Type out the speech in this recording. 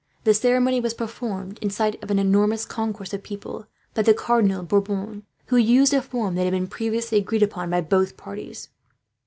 The ceremony was performed, in sight of an enormous concourse of people, by the Cardinal Bourbon, who used a form that had been previously agreed upon by both parties.